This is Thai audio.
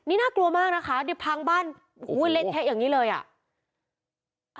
นี่น่ากลัวมากนะคะนี่พังบ้านเล่นเทะอย่างนี้เลยอ่ะ